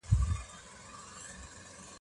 د بدن بوی د ژوند چاپېریال پورې تړاو لري.